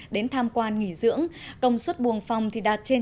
đến tham quan nghỉ dưỡng công suất buồng phòng đạt trên chín mươi